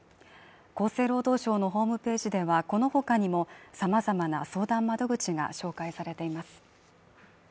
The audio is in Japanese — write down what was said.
厚生労働省のホームページではこの他にも様々な相談窓口が紹介されています。